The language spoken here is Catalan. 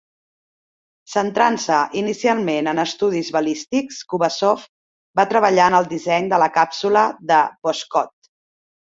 Centrant-se inicialment en estudis balístics, Kubasov va treballar en el disseny de la càpsula de Voskhod.